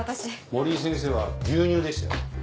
森井先生は牛乳でしたよ。